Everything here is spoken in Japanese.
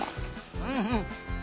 うんうん。